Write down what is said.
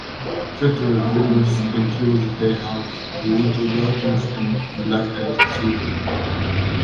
Cultural venues include The Playhouse, the Winter Gardens and Blakehay Theatre.